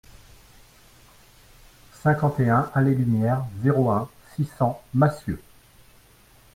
cinquante et un allée Lumière, zéro un, six cents Massieux